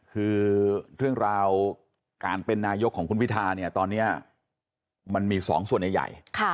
คือเรื่องราวการเป็นนายกของคุณพิทาเนี่ยตอนนี้มันมี๒ส่วนใหญ่